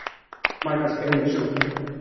Burners এখন থেকে শুরু।